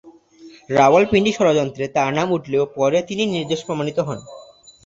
রাওয়ালপিন্ডি ষড়যন্ত্রে তার নাম উঠলেও পরে তিনি নির্দোষ প্রমাণিত হন।